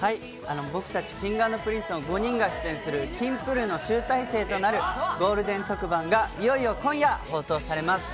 僕たちＫｉｎｇ＆Ｐｒｉｎｃｅの５人が出演する『Ｋｉｎｇ＆Ｐｒｉｎｃｅる。』の集大成となるゴールデン特番がいよいよ今夜放送されます。